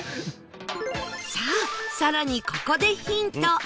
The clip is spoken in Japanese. さあ更にここでヒント